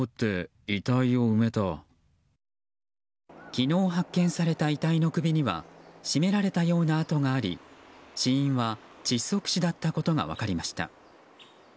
昨日発見された遺体の首には絞められたような痕があり死因は窒息死だったことが分かりました。